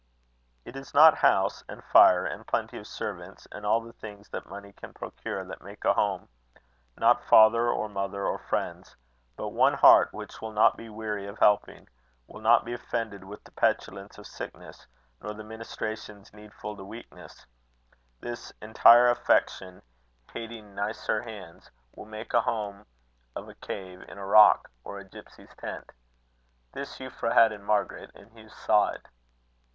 It is not house, and fire, and plenty of servants, and all the things that money can procure, that make a home not father or mother or friends; but one heart which will not be weary of helping, will not be offended with the petulance of sickness, nor the ministrations needful to weakness: this "entire affection hating nicer hands" will make a home of a cave in a rock, or a gipsy's tent. This Euphra had in Margaret, and Hugh saw it.